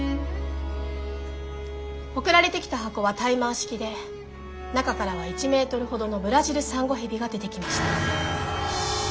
送られてきた箱はタイマー式で中からは１ｍほどのブラジルサンゴヘビが出てきました。